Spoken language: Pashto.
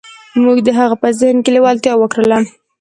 موږ د هغه په ذهن کې لېوالتیا وکرله.